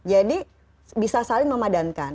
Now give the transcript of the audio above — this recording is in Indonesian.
jadi bisa saling memadankan